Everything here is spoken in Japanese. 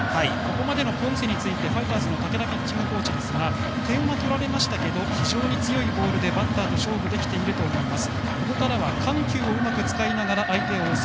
ここまでのポンセについてファイターズの武田ピッチングコーチですが点は取られましたが非常に強いボールでバッターと勝負できていると思います。